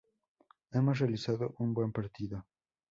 Hemos realizado un buen partido.